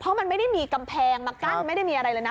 เพราะมันไม่ได้มีกำแพงมากั้นไม่ได้มีอะไรเลยนะ